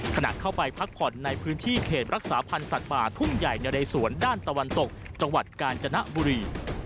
ขณะเข้าไปพักผ่อนในพื้นที่เขตรักษาพันธ์สัตว์ป่าทุ่งใหญ่นะเรสวนด้านตะวันตกจังหวัดกาญจนบุรี